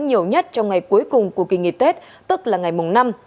nhiều nhất trong ngày cuối cùng của kỳ nghỉ tết tức là ngày mùng năm